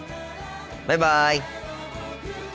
バイバイ。